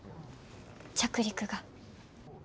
着陸が。